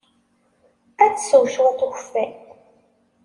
Ad tsew cwiṭ n ukeffay.